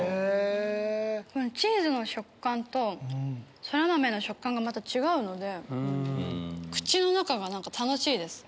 チーズの食感とソラマメの食感が違うので口の中が楽しいです。